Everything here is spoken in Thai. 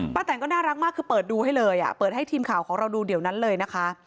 แตนก็น่ารักมากคือเปิดดูให้เลยเปิดให้ทีมข่าวของเราดูเดี๋ยวนั้นเลยนะคะ